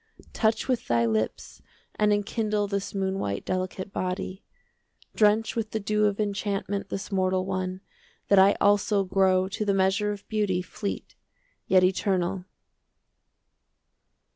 30 Touch with thy lips and enkindle This moon white delicate body, Drench with the dew of enchantment This mortal one, that I also Grow to the measure of beauty 35 Fleet yet eternal.